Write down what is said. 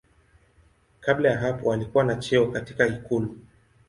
Kabla ya hapo alikuwa na cheo katika ikulu.